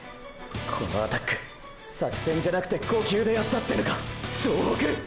このアタック“作戦”じゃなくて“呼吸”でやったってのか総北！！